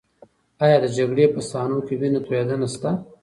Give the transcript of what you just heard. ایا د جګړې په صحنو کې وینه تویدنه شته؟